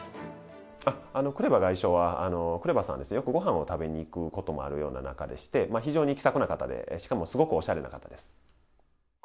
クレバ外相は、クレバさんですね、よくごはんを食べに行くようなことがあるような仲でして、非常に気さくな方で、しかもすごくおしゃれな方です。